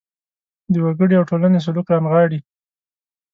د وګړي او ټولنې سلوک رانغاړي.